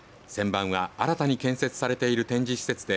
旋盤は新たに建設される展示施設で